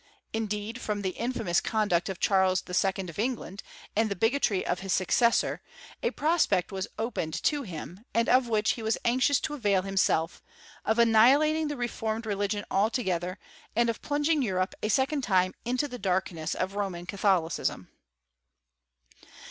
Indeed, from the infamous conduct of Charles II. of England, and the bigotry of his successor, a prospect was opened tft bim, and of which he was anxious to avail himself, of CH£]fISTR7 OF TTHE SEYXNTTEEVTH CENTURY. 237 fiimihilating the refonned religion altogether, and of plunging Europe a second time into the darkness of Roman Catholicism.